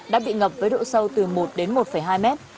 đã bị ngập với độ sâu từ một đến một hai mét